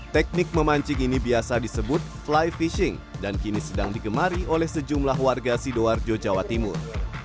teknik memancing ini biasa disebut fly fishing dan kini sedang digemari oleh sejumlah warga sidoarjo jawa timur